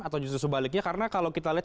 atau justru sebaliknya karena kalau kita lihat